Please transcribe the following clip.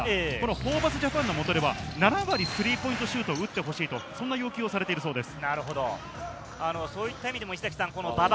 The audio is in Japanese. ホーバスジャパンでは７割、スリーポイントシュートを打ってほしいという要求をされているそうです。